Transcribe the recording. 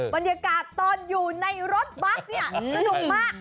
บรรยากาศตอนอยู่ในรถบัสเนี่ยสนุกมาก